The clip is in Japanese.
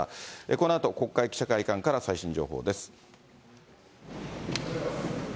このあと、国会記者会館から最新情報です。